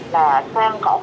là cháu bé khóc là do